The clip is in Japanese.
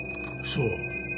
そう。